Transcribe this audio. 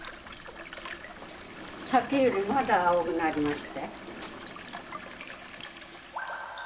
さっきよりまだ青くなりましたよ。